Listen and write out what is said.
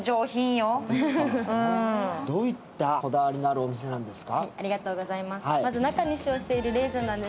どういったこだわりのあるお店なんですか？